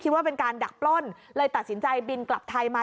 ว่าเป็นการดักปล้นเลยตัดสินใจบินกลับไทยมา